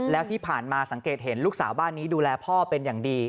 แล้วที่ผ่านมาสังเกตเห็นลูกสาวบ้านนี้ดูแลพ่อเป็นอย่างดี